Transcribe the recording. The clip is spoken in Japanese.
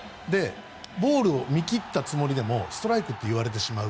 ボールを見切ったつもりでもストライクと言われてしまう。